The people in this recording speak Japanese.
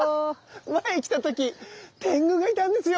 前に来た時天狗がいたんですよ